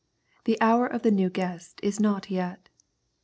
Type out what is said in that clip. The hour of the new guest is not yet.